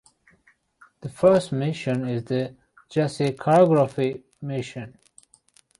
The first mission is the Jessi Choreography Mission.